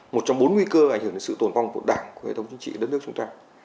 một trong bốn nguy cơ ảnh hưởng đến sự tồn vong của đảng của hệ thống chính trị đất nước chúng ta